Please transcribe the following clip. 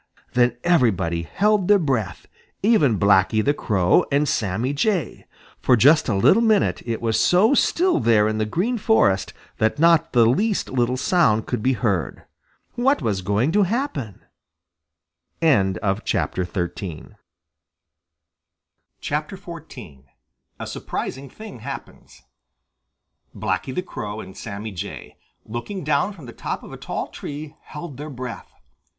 Then everybody held their breath, even Blacky the Crow and Sammy Jay. For just a little minute it was so still there in the Green Forest that not the least little sound could be heard. What was going to happen? XIV A SURPRISING THING HAPPENS Blacky the Crow and Sammy Jay, looking down from the top of a tall tree, held their breath.